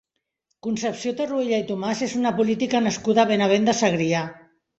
Concepció Tarruella i Tomàs és una política nascuda a Benavent de Segrià.